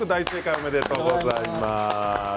おめでとうございます。